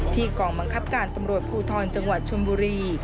กองบังคับการตำรวจภูทรจังหวัดชนบุรี